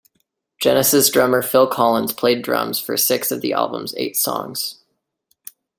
Genesis drummer Phil Collins played drums for six of the album's eight songs.